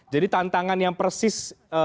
jadi tantangan yang persis